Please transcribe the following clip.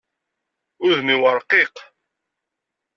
Udem-iw ṛqiq.